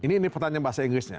ini pertanyaan bahasa inggrisnya